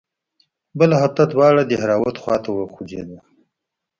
بله هفته دواړه د دهراوت خوا ته وخوځېدو.